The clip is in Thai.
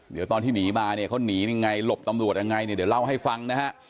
เดี๋ยวตอนที่หนีมาเนี่ยเขาหนียังไงหลบตำรวจยังไงเนี่ยเดี๋ยวเล่าให้ฟังนะฮะ